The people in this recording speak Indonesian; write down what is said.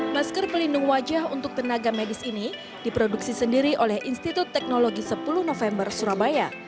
masker pelindung wajah untuk tenaga medis ini diproduksi sendiri oleh institut teknologi sepuluh november surabaya